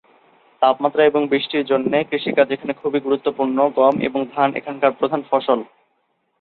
তাপমাত্রা এবং বৃষ্টির জন্যে কৃষিকাজ এখানে খুবই গুরুত্বপূর্ণ; গম এবং ধান এখানকার প্রধান ফসল।